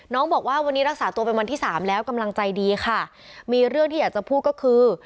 บอกว่าวันนี้รักษาตัวเป็นวันที่สามแล้วกำลังใจดีค่ะมีเรื่องที่อยากจะพูดก็คือ